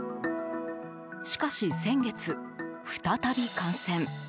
しかし先月、再び感染。